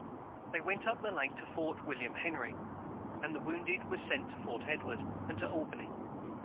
They went up the lake to Fort William Henry, and the wounded were sent to Fort Edward and to Albany.